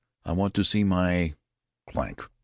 "I want to see my " Clank!